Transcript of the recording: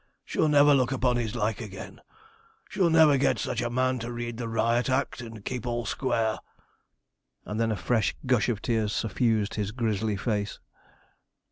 shall never look upon his like again shall never get such a man to read the riot act, and keep all square.' And then a fresh gush of tears suffused his grizzly face.